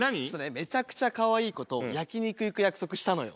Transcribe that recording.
めちゃくちゃかわいい子と焼き肉行く約束したのよ